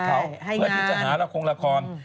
เขาเพื่อที่จะหาละครละคร